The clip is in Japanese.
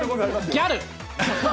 ギャル。